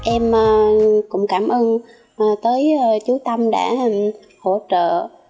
em cũng cảm ơn tới chú tâm đã hỗ trợ